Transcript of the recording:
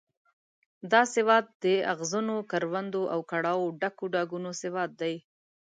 دا سواد د اغزنو کروندو او کړاوه ډکو ډاګونو سواد دی.